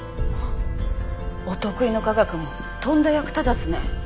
お得意の科学もとんだ役立たずね。